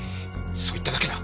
そう言っただけだ。